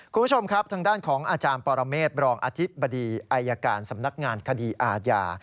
คุณผู้ชมครับทางด้านของอาจารย์ปรเมฆรองอธิบดีอายการสำนักงานคดีอาญา